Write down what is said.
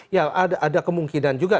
ya ada kemungkinan juga